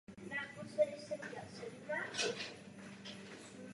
Viola se pak se Sebastianem znovu vymění.